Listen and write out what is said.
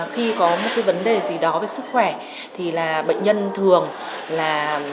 khi có một vấn đề gì đó với sức khỏe thì bệnh nhân thường là